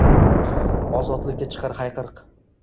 Ozodlikka chiqar hayqiriq.